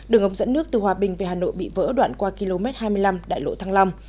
đường ống dẫn nước từ hòa bình về hà nội bị vỡ đoạn qua km hai mươi năm đại lộ thăng long